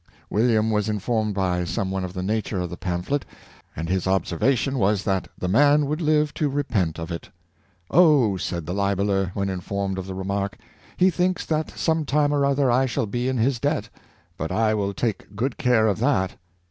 William was informed by some one of the nature of the pamphlet, and his ob servation was that the man would live to repent of it. *^ Oh! " said the libeller, when informed of the remark, " he thinks that some time or other I shall be in his debt; but I will take good care of that."